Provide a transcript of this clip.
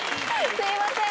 すいません。